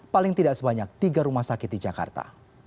paling tidak sebanyak tiga rumah sakit di jakarta